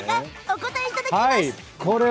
お答えいただきましょう。